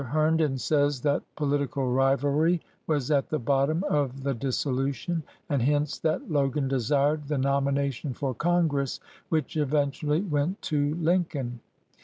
Herndon says that politi cal rivalry was at the bottom of the dissolution, and hints that Logan desired the nomination for Congress which eventually went to Lincoln.